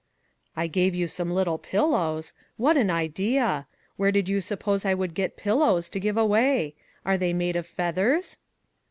" I gave you some little pillows ! What an idea ! Where did you suppose I would get pil lows to give away? Are they made of feathers